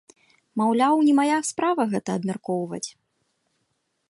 Маўляў, не мая справа гэта абмяркоўваць.